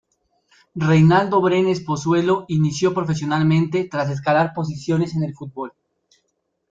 Reinaldo Brenes Pozuelo inició profesionalmente tras escalar posiciones en el fútbol.